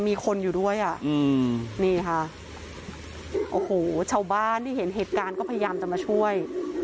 มีคนอยู่ด้วยอ่ะอืมนี่ค่ะโอ้โหชาวบ้านที่เห็นเหตุการณ์ก็พยายามจะมาช่วย